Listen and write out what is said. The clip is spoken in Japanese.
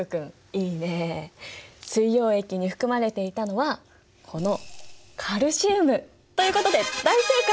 水溶液に含まれていたのはこのということで大正解！